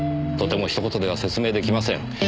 とても一言では説明出来ません。